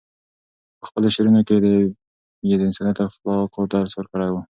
په خپلو شعرونو کې یې د انسانیت او اخلاقو درس ورکړی دی.